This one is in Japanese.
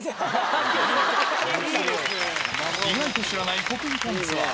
意外と知らない国技館ツアー。